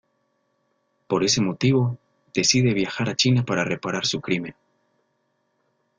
Por ese motivo, decide viajar a China para reparar su crimen.